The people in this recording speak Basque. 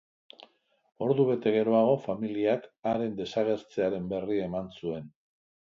Ordubete geroago familiak haren desagertzearen berri eman zuen.